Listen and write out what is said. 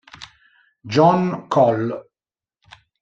Jon Chol